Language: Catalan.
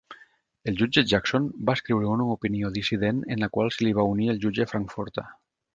El jutge Jackson va escriure una opinió dissident en la qual se li va unir el jutge Frankfurter.